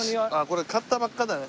これ刈ったばっかだね。